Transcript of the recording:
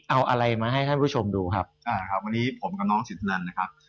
เอาอะไรมาให้ท่านผู้ชมดูครับอ่าครับวันนี้ผมกับน้องสินทนันนะครับ